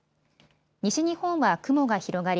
西日本は雲が広がり